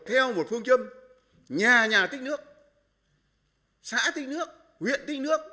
theo một phương châm nhà nhà tích nước xã tích nước huyện tích nước